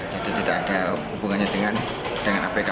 jadi tidak ada hubungannya dengan apk